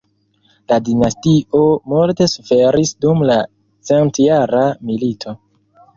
La dinastio multe suferis dum la centjara milito.